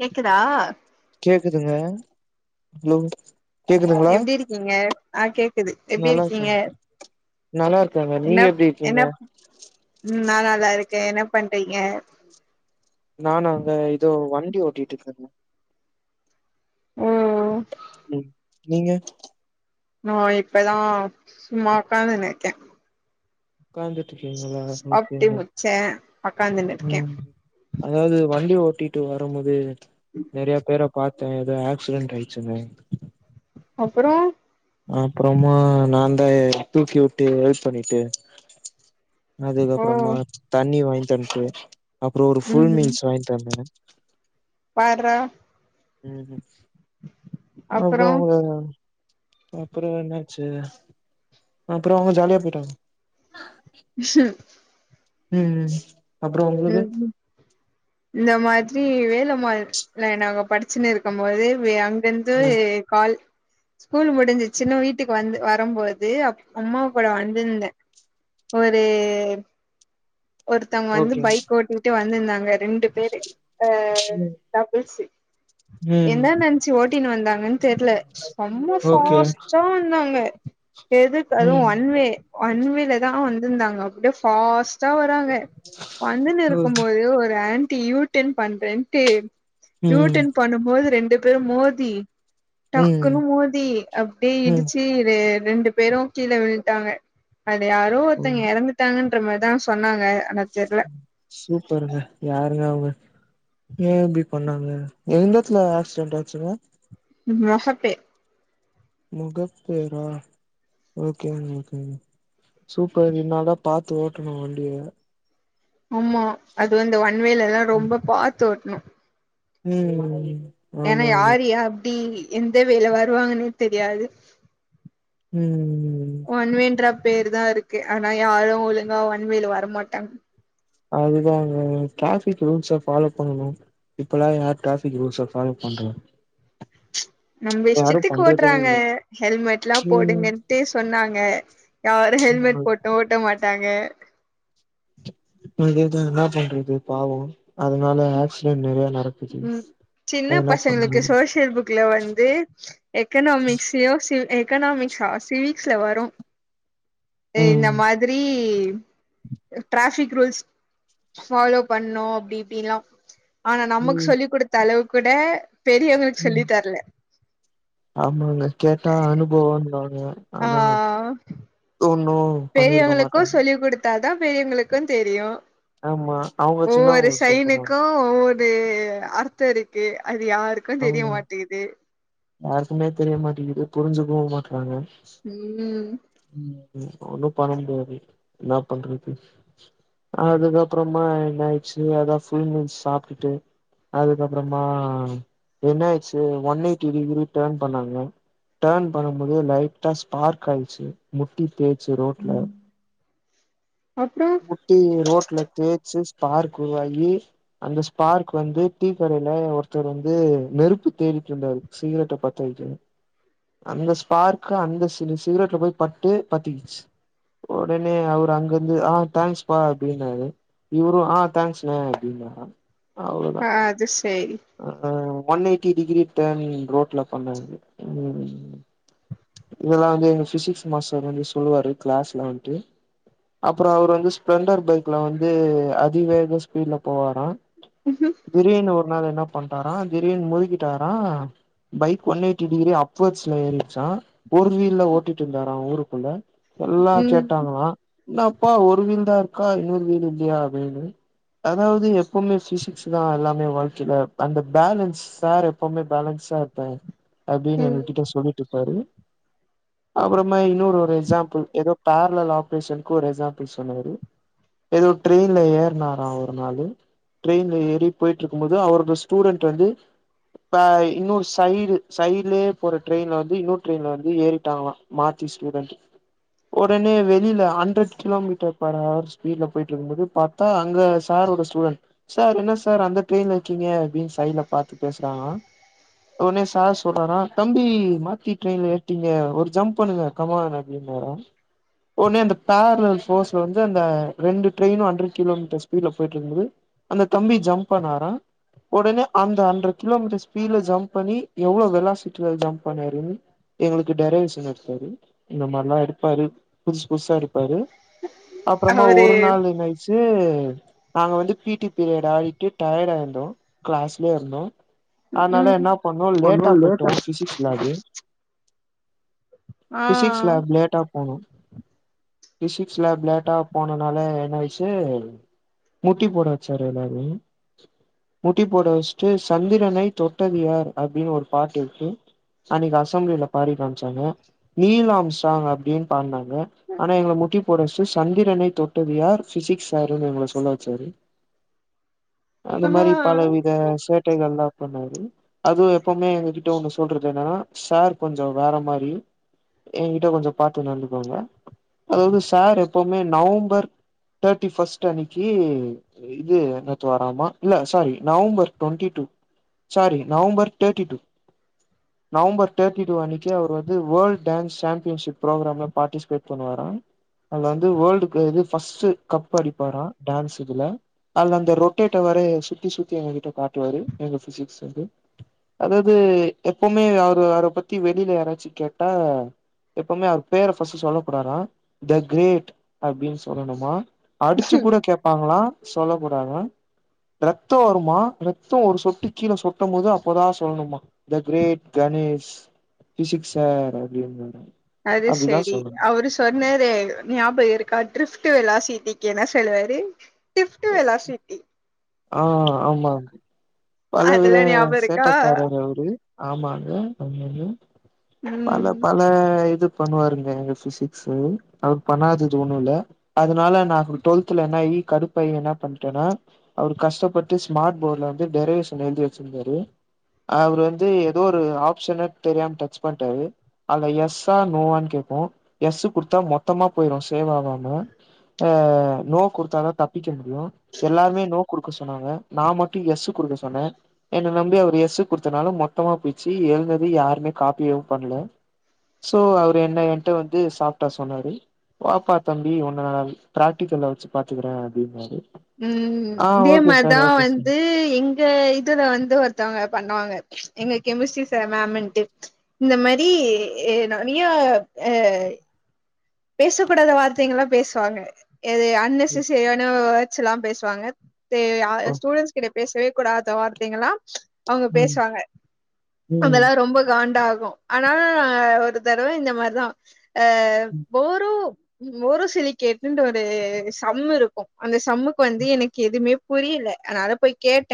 கேக்குதா கேக்குதுங்க ஹலோ கேக்குதுங்களா எப்டி இருக்கீங்க அ கேக்குது எப்டி நல்லா இருக்கே இருக்கீங்க நல்லா இருக்கேங்க நீங்க என்ன எப்டி என்ன இருக்கீங்க ம் நான் நல்லா இருக்கேன் என்ன பண்றீங்க நானாங்க இதோ வண்டி ஓட்டிட்டுருக்கேன் ம் ம் ம் நீங்க நான் இப்ப தான் சும்மா ஒக்காந்துன்னுருக்கேன் உக்காந்துட்ருக்கிங்களா ஓகே சாப்ட்டு ஓகே முச்சே உக்காந்துனு இருக்கே ம் அதாவது வண்டி ஓட்டிட்டு வரும் போது நறைய பேர பாத்த ஏதோ ஆக்சிடென்ட் ஆயிடுச்சுங்க அப்பறோம் அப்றமா நான் தான் தூக்கிவுட்டு ஹெல்ப் பண்ணிட்டு ஓ அதுக்கப்றமா தண்ணி வாங்கி தந்துட்டு அப்றோ ஒரு ஃபுல் ம் மீல்ஸ் வாங்கி தந்தேன் பார்றா ம் ம் அப்றோ அப்றோம் அவுங்க அப்றோம் என்னாச்சு அப்றோம் ஜாலியா போயிட்டாங்க ம் ம் ம் ம் இந்த மாதிரி வேலம்மாள் நாங்க படிச்சின்னு இருக்கும் போது அங்கிருந்து ம் கால் ஸ்கூல் முடிஞ்சிச்சுன்னு வீட்டுக்கு வந்து வரும்போது அ அம்மா கூட வந்திருந்தேன் ஒரு ஒருத்தவுங்க வந்து ஓகே பைக் ஓட்டிட்டு வந்துருந்தாங்க ரெண்டு பேரு அ ம் டபுள்ஸ்ஸு ம். என்ன நெனச்சு ஓட்டின்னு வந்தாங்கன்னு தெர்ல செம்ம ஓகே ஃபாஸ்ட்டா வந்தாங்க எதுக்கு ம் அதுவும் ஒன்வே ம் ஒன்வேல தான் வந்திருந்தாங்க அப்டியே ஃபாஸ் ட்டா வராங்க வந்துன்னு இருக்கும் போது ஒரு ஆன்ட்டி யூட்டன் பண்றன்ட்டு ம் யூட்டன் பண்ணும் போது ரெண்டு பேரும் மோதி ம் டக்குனு மோதி அப்டியே ம் இடிச்சி ரெ ரெண்டு பேரும் கீழே விழுந்துட்டாங்க அது யாரோ ஓ ஒருத்தங்க எறந்துட்டாங்கன்ற மாரிதான் சொன்னாங்க ஆனா தெர்ல சூப்பருங்க யாருங்க அவுங்க ஏ இப்டி பண்ணாங்க எந்த எடத்துல ஆக்சிடென்ட் ஆச்சுங்க முகப்பே முகப்பேரா ஓகேங்க ஓகேங்க சூப்பர் [unintelligible] பாத்து ஓட்டணு வண்டிய ஆமா அதுவு இந்த ஒன்வேலல்லா ரொம்ப பாத்து ஓட்டணு ம் ஏன்னா ஆமாங்க யார் யாப்டி எந்த வேல வருவாங்கன்னே தெரியாது ம் ஒன்வேன்ற பேருதாருக்கு ஆனா யாரு ஒழுங்கா ஒன்வேல வரமாட்டாங்க அதுதாங்க டிராஃபிக் ரூல்ஸ ஃபாலோ பண்ணனு இப்பல்லா யார் ட்ராபிக் ரூல்ஸ ஃபாலோ பண்றா நம்ப யாரு இஷ்டத்துக்கு பண்றதே ஓட்டறாங்க இல்ல ஹெல்மெட்ல்லா ம் போடுங்கண்டு சொன்னாங்க யாரு ஹெல்மெட் ஆமாங்க போட்டு ஓட்ட மாட்டாங்க அதேதா என்னா பண்றது பாவோ அதனால ஆக்சிடென்ட் நெறைய நடக் ம் சின்ன பசங்களுக்கு சோசியல் புக் க்ல வந்து எக்கனாமிக்ஸ் சியோசியல் எக்கனாமிக்ஸ்சா சிவிக்ஸ்ல வரு இந்த ம் மாத்ரி டிராபிக் ரூல்ஸ் ஃபாலோ பண்ணு அப்டி இப்டின்ல்லா ஆனா நமக் ம் சொல்லிக் குடுத்த அளவு கூட பெரியவங்களுக்கு சொல்லி ம் தரல ஆமாங்க கேட்டா அனுபவோன்வாங்க ஆ ஆனா தொன்னு பண்ணிருக்க மாட்டங்க த்தாதா பெரியவங்குளுக்குன் தெரியு ஆமா அவுங்க ஒவ்வொரு சின்னவங்களுக் சொல்லி தருவாங் சைனுக்கு ஒவ்வொரு அர்த்தோ இருக்கு அது யாருக்கு தெரிய ஆமா மாட்டேது யாருக்குமே தெரிய மாட்டேங்கிது புரிஞ்சுக்கவு மாட்றாங்க ம் ம் ஒன்னு பண்ண முடியாது என்னா பண்றது அதுக்கப்பறமா என்ன ஆயிட்ச்சு அதா ஃபுல் மீல்ஸ் சாப்ட்டுட்டு அதுக்கப்பறமா Reynolds one eighty degree turn பண்ணாங்க டர்ன் பண்ணம்போது லைட்டா ஸ்பார்க் ஆயிச்சு முட்டி தேச்சு ரோட்ல அப்றோ முட்டி ரோட்ல தேய்ச்சு ஸ்பார்க்குருவாகி அந்த ஸ்பார்க் வந்து டீ கடையில ஒருத்தர் வந்து நெருப்பு தேடிட்ருந்தாரு சிகரெட்ட பத்த வெக்கனு அந்த ஸ்பார்க்கு அந்த சிலு சிகரெட்ல போய் பட்டு பத்திகிச் ஒடனே அவரு அங்கருந்து ஆ தேங்க்ஸ் பா அப்டின்னாரு இவரு ஆ தேங்க்ஸ்னே அப்டின்னாரா அவ்ளதா ஆ அது சேரி அ ஒன் எய்ட்டி டிகிரி டர்ன் ரோட்ல பண்ணது உம் இதெல்லா வந்து எங்க பிசிக்ஸ் மாஸ்டர் வந்து சொல்லுவாரு க்ளாஸ்ல வன்ட்டு அப்புறோ அவர் வந்து ஸ்பிளண்டர் பைக்ல வந்து அதிவேக ஸ்பீட்ல போவாரா திடீர்ன்னு ஒரு நாள் என்ன பண்டாரா திடீர்ன் முழுகிட்டாரா பைக் ஒன் எய்ட்டி டிகிரி அப்வேர்ட்ஸ்ல ஏறிட்ச்சா ஒரு வீல்ல ஓட்டிட் இருந்தாரா ஊருக்குள்ள எல்லா ம் கேட்டாங்களா என்னாப்பா ஒரு வீல் தா இருக்கா இன்னொரு வீல் இல்லையா அப்டினு அதாவது எப்பவுமே பிசிக்ஸ் தா எல்லாமே வாழ்க்கைல அந்த பேலன்ஸ் சார் எப்பவுமே பேலன்ஸா இருப்பே அப்டினு எங்க ம் கிட்ட சொல்லிட்ருப்பாரு அப்பொறமா இன்னொரு ஒரு எக்ஸாம்பிள் ஏதோ பேரலல் ஆப்ரேஷன்க்கு ஒரு எக்ஸாம்பிள் சொன்னாரு எதோ ட்ரெயின்ல ஏறுனாரா ஒரு நாளு ட்ரெயின்ல ஏறி போயிட்ருக்கும் போது அவரோட ஸ்டூடண்ட் வந்து ப இன்னொரு சைடு சைட்லயே போற ட்ரெயின்ல வந்து இன்னொரு ட்ரெயின்ல வந்து ஏறிட்டாங்களா மாத்தி ஸ்டூடண்ட்டு ஒடனே வெளில ஹண்ட்ரட் கிலோமீட்டர் பர் அவர் ஸ்பீட்ல போயிட்ருக்கும் போது பா த்தா அங்க சார் ஓட ஸ்டூடண்ட் சார் என்ன சார் அந்த ட்ரெயின்ல இருக்கீங்க அப்டின் சைட்ல பாத்து பேசுனாங்களா ஒடனே சார் சொல்றாரா தம்பி மாத்தி ட்ரெயின்ல ஏற்ட்டீங்க ஒரு ஜம்ப் பண்ணுங்க கமான் அப்டின்னாரா ஒன்னே அந்த பேரலல் ஃபோர்ஸ்ல வந்து அந்த ரெண்டு ட்ரெயினு ஹண்ட்ரட் கிலோமீட்டர் ஸ்பீட்ல போயிட்ருக்கும்போது அந்த தம்பி ஜம்ப் பண்ணாரா ஒடனே அந்த ஹண்ட்ரட் கிலோமீட்டர் ஸ்பீட்ல ஜம்ப் பண்ணி எவ்ளோ வெலாசிட்டில ஜம்ப் பண்ணாரு எங்களுக்கு டெரவேஷன் எடுத்தாரு இந்த மார்லா எடுப்பாரு புதுசு புதுசா எடுப்பாரு அப்றமா அவரு ஒரு நாளு இன்னா ஆயி ச்சு நாங்க வந்து பி டி பீரியட் ஆடிட்டு டயடாயிந்தோ கிளாஸ்லயே இருந்தோ அதனால ம் என்னா பண்ணோ ஒன்னு லேட்டா இல்ல போயிட்டோ ஃபிசிக்ஸ் லேபு ஆ ஃபிசிக்ஸ் லேப் லேட்டா போனோ ஃபிசிக்ஸ் லேப் லேட்டா போனனால என்ன ஆயிச்சு முட்டிப் போட வச்சார் எல்லாரயு முட்டிப் போட வச்ட்டு சந்திரனை தொட்டது யார் அப்டின்னு ஒரு பாட்டு‌ இருக்கு அன்னக்கி அசம்ப்ளில பாடி காம்ச்சாங்க நீல் ஆம்ஸ்ட்ராங் அப்டின் பாட்னாங் க ஆனா எங்கள முட்டி போட வச்ட்டு சந்திரனை தொட்டது யார் ஃபிசிக்ஸ் சாருன்னு எங்கள சொல்ல வச்சாரு அந்த மாரி பலவித ஆ சேட்டைகள்லா பண்ணாரு அதுவு எப்பவ்மே எங்க கிட்ட ஒன்னு சொல்றது என்னனா சார் கொஞ்சோ வேற மாரி ஏங்கிட்ட கொஞ்சொ பாத்து நடந்துக்கோங்க அதாவ்து சார் எப்பவுமே நவும்பர் தேட்டி ஃபஸ்ட் அன்னக்கி அ இது நத்து வாராமா இல்ல sorry November twenty two sorry November டேட்டி two November டேட்டி two அன்னக்கி அவுர் வந்து வேல்ட் டான்ஸ் சாம்பியன்ஷிப் ப்ரோகிராம்ல பாட்டிசிபேட் பண்ணுவாரா அதுல வந்து வேர்ல்டுக்கு இது ஃபஸ்ட்டு கப் அடிப்பாரா டான்ஸ் இதுல அதுல அந்த ரொட்டேட்டவரே சுத்தி சுத்தி எங்ககிட்ட காட்டுவாரு எங்க ஃபிசிக்ஸ் சாரு அதாது எப்பவ்மே அவரு அவர பத்தி வெளில யாராச்சு கேட்டா எப்பொமே அவர் பேர ஃபஸ்ட்டு சொல்ல கூடாரா த கிரேட் அப்டின் சொல்லனுமா அடுச்சு கூட கேப்பாங்களா சொல்லக் கூடாதா ரத்தோ வருமா ரத்தோ ஒரு சொட்டு கீழ சொ ட்டும் போது அப்பதா சொல்னுமா the great Ganesh physics sir அப்டி [unintelligible] அது செரி அவரு சொன்னாரே ஞாபக இருக்கா ட்ரிஃப்ட்டு வெலாசிட்டிக்கு என்ன சொல்வாரு டிஃப்ட்டு வெலாசிட்டி ஆ ஆமாங்க அதெல்லா பலவிதங்க ஞாபகம் இருக்கா சேட்டக்காரர் அவுரு ஆமாங்க ஆமாங்க பல ம் ப ல இது பண்ணுவாருங்க எங்க ஃபிசிக்ஸு அவர் பண்ணாதது ஒன்னூல்ல அதுனால நா டொல்த்துல என்னாயி கடுப்பாயி என்ன பண்டேனா அவுரு கஷ்டப்பட்டு ஸ்மார்ட் போட்ல வந்து டெரவேஷன் எழுதி வச்சிர்ந்தாரு அவுர் வந்து எதோ ஒரு ஆப்ஷனத் தெரியாம டச் பண்டாரு அதுல எஸ்ஸா நோவான் கேக்கு எஸ்ஸு குடுத்தா மொத்தமா போயிரு சேவ் ஆவாம ஆ நோ குடுத்தா தா தப்பிக்க முடியு எல்லாருமே நோ குடுக்க சொன்னாங்க நா மட்டு எஸ் குடுக்க சொன்ன என்ன நம்பி அவுரு எஸ்சு குடுத்தனால மொத்தமா போயிச்சி எழுதந்து யாருமே காப்பியு பண்ல சோ அவுரு என்ன என்ட்ட வந்து சாஃப்ட்டா சொன்னாரு வாப்பா தம்பி உன்ன பிராக்டிக்கல்ல வெச்சு பாத்துக்கறே அப்டின்னாரு ம் ஆ இதே ஓகே சார் மார்தா ஓகே சார் வந்து எங் க இதுல வந்து ஒருத்தவங்க பண்ணுவாங்க எங்க கெமிஸ்ட்ரி ச மேமின்ட்டு இந்த மாரி நெறைய அ பேசக்கூடாத வார்த்தைங்கல்லா பேசுவாங்க எது ம் அன்னெசசரியான வேட்ஸ் எல்லா பேசுவாங்க தே ஆ ஓ ஸ்டூடெண்ட்ஸ் கிட்ட பேசவே கூடாத வார்த்தைங்களா அவங்க ம் பேசுவாங்க ம் [unintelligible] ரொம்ப காண்டாகு ஆனா ஒரு தறவ இந்த மார்தா அ போரு மோரோசெலி கேட்டுன்ற ஒரு சம் இருக்கு அந்த சம்முக்கு வந்து எனக்கு எதுவ்மே புரியல அதனால போய் கேட்ட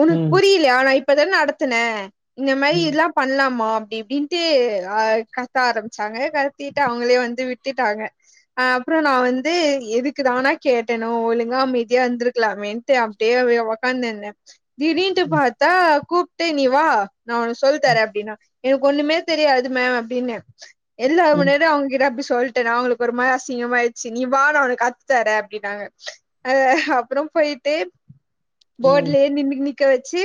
உனக்கு ம் புரியிலையா ஆனா இப்பதான் நடத்துனே இந்த ம் ம் மயிர்ல்லாம் பண்லாமா அப்டி இப்டின்ட்டு் ஆ கத்த ஆரம்பிச்சாங்க கத்திட்டு அ உள்ளே வந்து விட்டுட்டாங்க அ அப்பறோ நா வந்து எதுக்கு தானா கேட்டணோ ஒழுங்கா அமைதியா இருந்திருக்கலாமே ட்டு அப்டியே உக்காந்திந்த திடீட்டு பாத்தா கூப்டே நீ வா நா உனக்கு சொல் தரே அப்டின்னா எனக்கு ஒண்ணுமே தெரியாது மேம் அப்டின்ன எல்லாரு ம் ம் ம் முன்னாடி அவங் கிட்ட அப்டி சொல்டேனா அவங்களுக்கு ஒரு மாரி அசிங்கமா ஆயிச்சு நீ வா நா உனக்கு கத்து தரே அப்டின்னாங்க அ அப்பறோ போயிட்டு போர்ட்லே நி நி நி நிக்க வெச்சு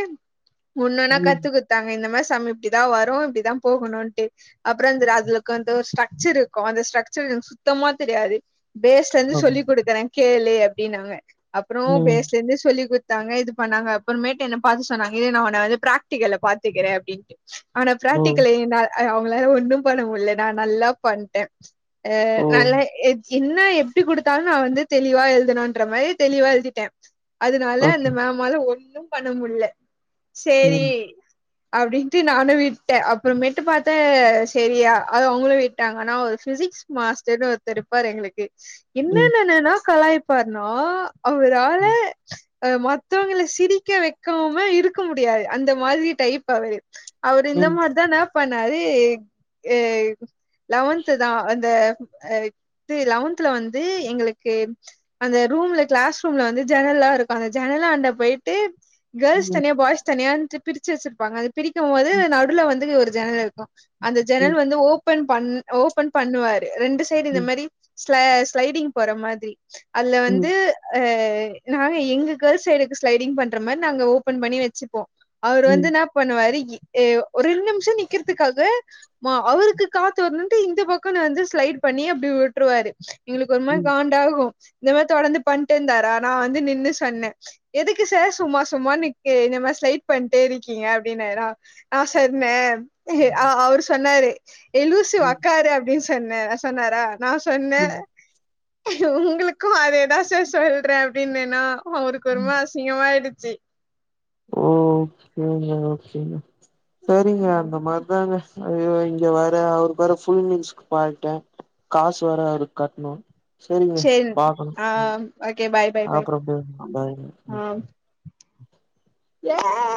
ஒன்னொன்னா ம். கத்து குத் தாங்க இந்த மாரி சம் இப்டிதா வரு இப்டிதா போகணுன்டு அப்றோ அந்த அதுல உக்கான்ட்டு ஒரு ஸ்டரக்சர் அந்த ஸ்ட்ரக்சர் எனக்கு சுத்தமா தெரியாது பேஸ்லந்து ஓ சொல்லி் குடுக்குறே கேளு அப்டின்னாங்க அப்பறோ ம் பேஸ்ல இந்து சொல்லி குத் தாங்க இது பண்ணாங்க அப்பறமேட் என்ன பாத்து சொன்னாங்க இரு நா உன்ன வந்து பிராக்டிகல்ல பாத்துக்கறே அப்டின்ட்டு ஆனா ஓ பிராக்டிக்கல நா அவங்களால ஒண்ணு பண்ண முல்ல நா நல்லா பண்டே அ ஓ நல்லா எச் என்ன எப்டி குடுத்தாலு நா வந்து தெளிவா எழுதனுன்ற மாரி தெளிவா எழுதிட்டே அதனால அந்த ஓகே மேமால ஒண்ணு பண்ண முல்ல சேரி ம் அப்டின்ட்டு நானு விட்டே அப்பறமேட்டு பாத்த செரியா அது அவங்களு விட்டாங் ஆனா ஒரு பிசிக்ஸ் மாஸ்டர்னு ஒர்த்தர்ருப்பாரு எங்களுக்கு ம் என்னன்னென்னாளா கலாய் பார்னா அவுரா ம் அ மத்தவங்கள சிரிக்க வெக்காம இருக்க முடியாது அந்த மாரி டைப்பாவே அவுரு இந்த ம் மார் தா நா பண்ணாரு ஏ லெவன்த் தா அந்த இது லெவன்த்ல வந்து எங்களுக்கு அந்த ரூம்ல கிளாஸ் ரூம்ல வந்து ஜன்ல்லா இருக்கு அந்த ஜன்னலாண்ட போயிட்டு கேர்ள்ஸ் ம் தனியா பாய்ஸ் தனியான்ட்டு பிரிச்சு வெச்சிருப்பாங்க அது பிரிக்கு மோது ம் நடுவுல வந்து ஒரு ஜனல் இருக்கு அந்த ம் ஜனல் வந்து ஓபன் பண் ஓபன் பண்ணுவாரு ரெண்டு சைடு இந்த ம் மாரி ஸ்ல ஸ்லைடிங் போற மாரி அதுல ம் வந்து அ நாங்க எங்க கேர்ள்ஸ் சைடுக்கு ஸ்லைடிங் பண்ற மாரி நாங்க ஓபன் பண்ணி வெச்சுப்போ அவுரு ம் வந்துன்னா பண்ணுவாரு ஒரு ரெண்டு நிம்ஷோ நிக்கிறதுக்காக அவருக்கு காத்து வர்னுன் இந்த பக்க வந்து ஸ்லைட் பண்ணி அப்டி உட்ருவாரு எங்களுக்கு ஒரு மாரி ம் காண் டாகு இந்த மாரி தொடர்ந்து பண்ட்டேந்தரா நா வந்து நின்னு சொன்ன எதுக்கு சார் சும்மா சும்மா நிக்கு இந்த மாரி ஸ்லைட் பண்ட்டேருக்கீங்க அப்டின்னாரா ஆ செர் மேம் அ அவரு சொன்னாரு ஏ லூசு ஒக்காரு அப்டின் சொன்ன சொன்னரா நா சொன்ன ம் உங்குளுக்கு அதே தா சார் சொல்ற அப்டின்னேனா அவுருக்கு ஒரு ம் மார் அசிங்கமாயிடுச்சு சரிங்க ம் அந்த மார் தாங்க அய்யோ இங்க வேற அவருக் வேற ஃபுல் மீல்ஸ்கு பான்ட்டே காசு வேற அவருக் கட்னு சொல்லு சேரி பாக்குனு ஆ ம் ஓகே பாய் பாய் பாய் அப்றோ பேசுற பாய் ஏ